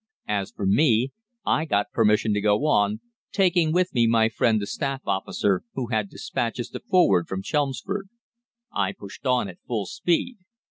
As for me, I got permission to go on, taking with me my friend the Staff officer, who had despatches to forward from Chelmsford. I pushed on at full speed.